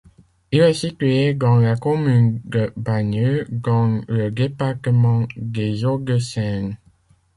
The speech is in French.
Il est situé dans la commune de Bagneux, dans le département des Hauts-de-Seine.